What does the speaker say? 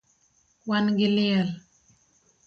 Wan gi liel